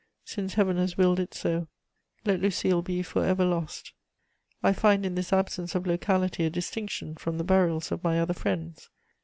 Since Heaven has willed it so, let Lucile be for ever lost! I find in this absence of locality a distinction from the burials of my other friends.